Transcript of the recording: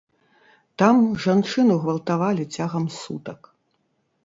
Там жанчыну гвалтавалі цягам сутак.